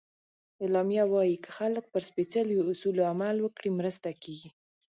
اعلامیه وایي که خلک پر سپیڅلو اصولو عمل وکړي، مرسته کېږي.